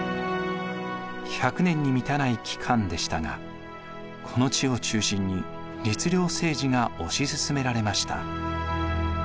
１００年に満たない期間でしたがこの地を中心に律令政治が推し進められました。